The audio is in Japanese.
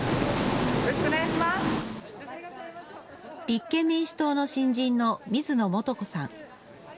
立憲民主党の新人の水野素子さん。